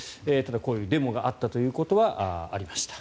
こういうデモがあったということはありました。